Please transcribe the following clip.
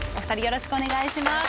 よろしくお願いします。